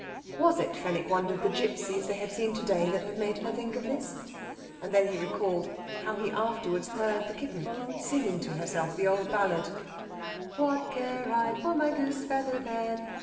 Was it, Fenwick wondered, the gipsies they had seen to day that had made her think of this? and then he recalled how he afterwards heard the kitten singing to herself the old ballad: "What care I for my goose feather bed?